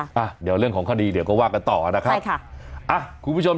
อ่ะเดี๋ยวเรื่องของคดีเดี๋ยวก็ว่ากันต่อนะครับใช่ค่ะอ่ะคุณผู้ชม